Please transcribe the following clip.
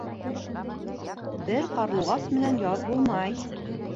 Бер ҡарлуғас менән яҙ булмай